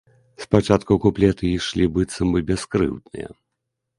Спачатку куплеты ішлі быццам бы бяскрыўдныя.